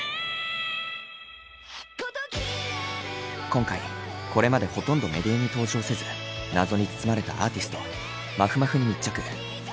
今回これまでほとんどメディアに登場せず謎に包まれたアーティストまふまふに密着。